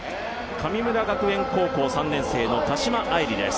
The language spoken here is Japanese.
神村学園高校３年生の田島愛梨です。